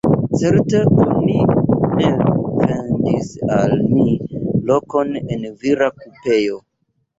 Certe oni ne vendis al mi lokon en vira kupeo.